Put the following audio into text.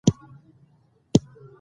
فعل د مفعول پر اغېز باندي تمرکز کوي.